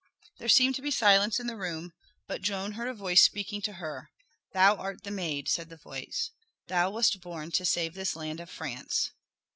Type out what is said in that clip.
There seemed to be silence in the room, but Joan heard a voice speaking to her. "Thou art the maid," said the voice. "Thou wast born to save this land of France."